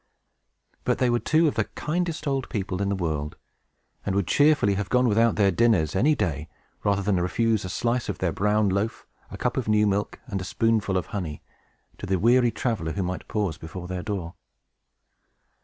But they were two of the kindest old people in the world, and would cheerfully have gone without their dinners, any day, rather than refuse a slice of their brown loaf, a cup of new milk, and a spoonful of honey, to the weary traveler who might pause before their door.